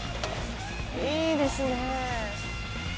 いいですねぇ。